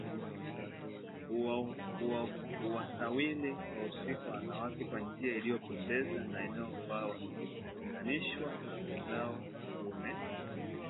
huwasawiri wahusika wanawake kwa njia inayopendeza na inayofaa wakilinganishwa na wenzao wa kiume